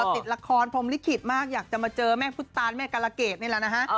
ติดละครพรมลิขิตมากอยากจะมาเจอแม่พุทธตานแม่กรเกดนี่แหละนะฮะ